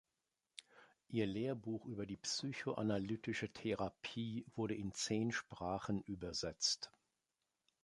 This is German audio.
Ihr Lehrbuch über die "Psychoanalytische Therapie" wurde in zehn Sprachen übersetzt.